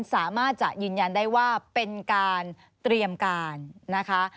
สามารถจะยืนยันได้ว่าเป็นการเตรียมการนะคะ